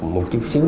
một chút xíu